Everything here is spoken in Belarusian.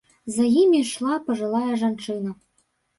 За імі ішла пажылая жанчына.